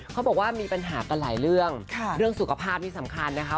เขาบอกว่ามีปัญหากันหลายเรื่องเรื่องสุขภาพนี่สำคัญนะคะ